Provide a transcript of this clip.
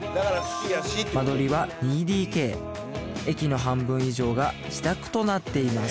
間取りは２ＤＫ駅の半分以上が自宅となっています